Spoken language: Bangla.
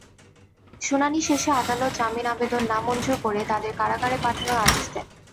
শুনানি শেষে আদালত জামিন আবেদন নামঞ্জুর করে তাঁদের কারাগারে পাঠানোর আদেশ দেন।